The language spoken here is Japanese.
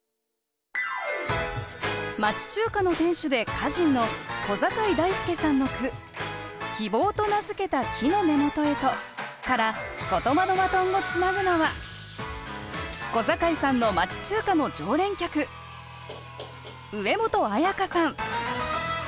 町中華の店主で歌人の小坂井大輔さんの句「『希望』と名付けた木の根本へと」から「ことばのバトン」をつなぐのは小坂井さんの町中華の常連客上本彩加さん